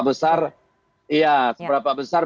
besar iya seberapa besar